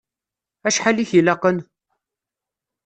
Acḥal i k-ilaqen?